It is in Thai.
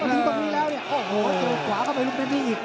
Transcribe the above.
มาถึงตรงนี้แล้วเนี้ยโอ้โหโหสูดขวาก็ไม่รู้เพื่อนที่อีก